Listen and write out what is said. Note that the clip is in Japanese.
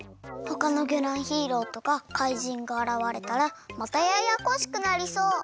ほかのぎょらんヒーローとか怪人があらわれたらまたややこしくなりそう。